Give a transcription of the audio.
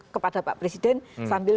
kepada pak presiden sambil